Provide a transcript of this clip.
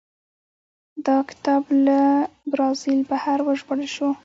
دا کتاب له برازیل بهر وژباړل شو.